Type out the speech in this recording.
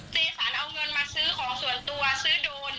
เจสันเอาเงินมาซื้อของส่วนตัวซื้อโดรน